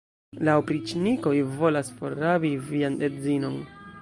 La opriĉnikoj volas forrabi vian edzinon!